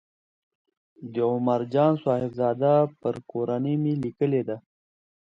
د عمر جان صاحبزاده پر کورنۍ مې لیکلې ده.